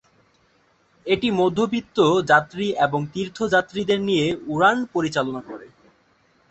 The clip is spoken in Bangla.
এটি মধ্যবিত্ত যাত্রী এবং তীর্থযাত্রীদের নিয়ে উড়ান পরিচালনা করে।